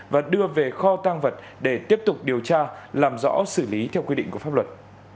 và đưa về kho tăng vật để tiếp tục điều tra làm rõ xử lý theo quy định của pháp luật